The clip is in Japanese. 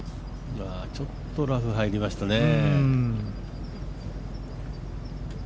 ちょっとラフ入りましたね。